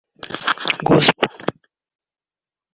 gospel